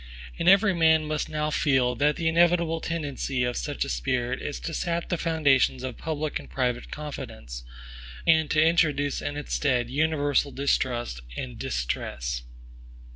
And every man must now feel, that the inevitable tendency of such a spirit is to sap the foundations of public and private confidence, and to introduce in its stead universal distrust and distress.